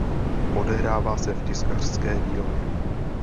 Odehrává se v tiskařské dílně.